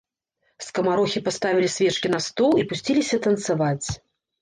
Скамарохі паставілі свечкі на стол і пусціліся танцаваць.